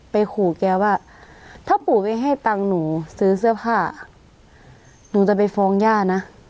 ขู่แกว่าถ้าปู่ไม่ให้ตังค์หนูซื้อเสื้อผ้าหนูจะไปฟ้องย่านะ